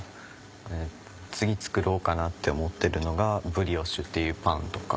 次作ろうかなって思ってるのがブリオッシュっていうパンとか。